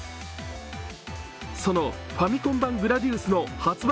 その「ファミコン版グラディウス」の発売